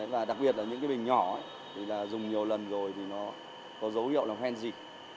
và đặc biệt là những cái bình nhỏ thì là dùng nhiều lần rồi thì nó có dấu hiệu là hoen gì